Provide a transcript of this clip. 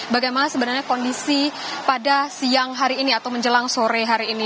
bagaimana sebenarnya kondisi pada siang hari ini atau menjelang sore hari ini